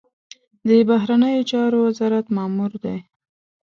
د بهرنیو چارو وزارت مامور دی.